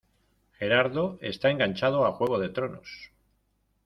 Gerardo está enganchado a Juego de tronos.